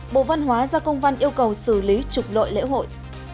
bộ văn hóa ra công văn yêu cầu xử lý trục lội lễ hội